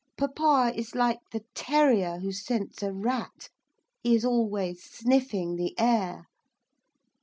Papa is like the terrier who scents a rat, he is always sniffing the air.